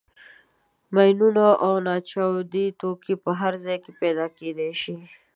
ماینونه او ناچاودي توکي په هر ځای کې پیدا کېدای شي.